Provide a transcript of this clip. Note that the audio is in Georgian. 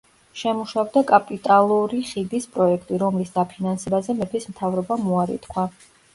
შემუშავდა კაპიტალური ხიდის პროექტი, რომლის დაფინანსებაზე მეფის მთავრობამ უარი თქვა.